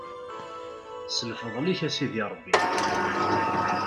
S lfeḍl-ik a Sidi Ṛebbi.